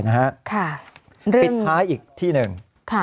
วิธีพ้ายอีกที่หนึ่ง